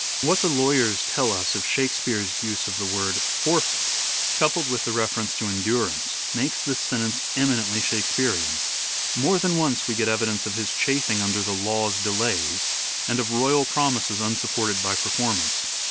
What the lawyers tell us of Shakespeare's use of the word " forfeit," coupled with the reference to en durance, makes this sentence eminently Shakespearean. More than once we get evidence of his chafing under " the law's delays," and of royal promises unsupported by performance.